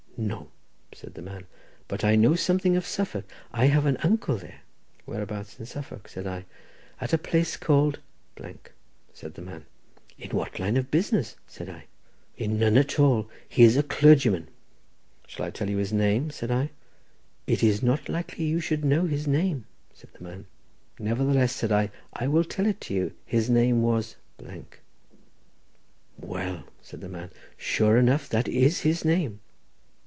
"No," said the man, "but I know something of Suffolk. I have an uncle there." "Whereabouts in Suffolk?" said I. "At a place called —," said the man. "In what line of business?" said I. "In none at all; he is a clergyman." "Shall I tell you his name?" said I. "It is not likely you should know his name," said the man. "Nevertheless," said I, "I will tell it you—his name was —." "Well," said the man, "sure enough that is his name."